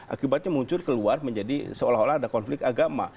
akibatnya muncul keluar menjadi seolah olah ada konflik agama